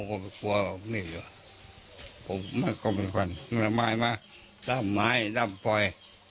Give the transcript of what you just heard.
ผมก็ไม่กลัวผมนี่ดูผมมันก็มีควันมันก็มายมาด้ามไม้ด้ามปล่อย